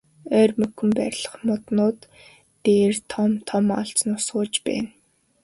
Ойрмогхон байрлах моднууд дээр том том аалзнууд сууж байна.